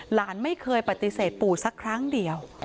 หลานไม่เคยปฏิเสธปู่สักครั้งเดียว